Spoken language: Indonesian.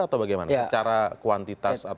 atau bagaimana secara kuantitas